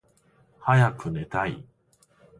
はやくねたい。